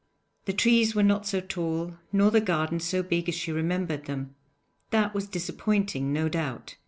The trees were not so tall nor the garden so big as she remembered them; that was disappointing, no doubt.